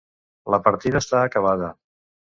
La partida està acabada.